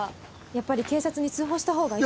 やっぱり警察に通報したほうがいい。